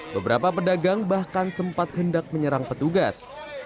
beberapa pedagang bahkan sempat hendak menyerang petugas